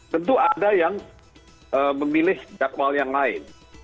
tentu ada yang memilih jadwal yang lain